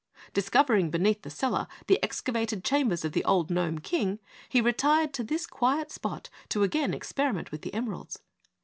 Discovering beneath the cellar the excavated chambers of the old Gnome King, he retired to this quiet spot to again experiment with the emeralds.